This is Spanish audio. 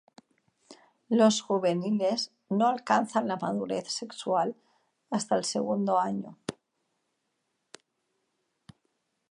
Los juveniles no alcanzan la madurez sexual hasta el segundo año.